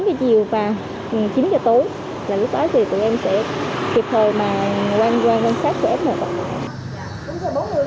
lúc đó thì tụi em sẽ kịp hồi mà quan sát cho f một